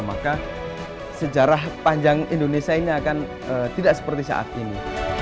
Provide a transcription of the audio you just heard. maka sejarah panjang indonesia ini akan tidak seperti saat ini